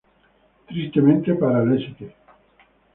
Tristemente para el St.